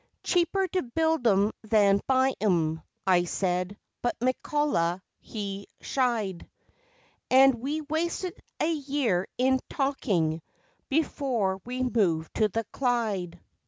"Cheaper to build 'em than buy 'em," I said, but McCullough he shied, And we wasted a year in talking before we moved to the Clyde.